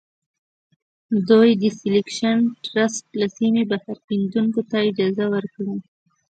دوی د سیلکشن ټرست له سیمې بهر کیندونکو ته اجازه ورکړه.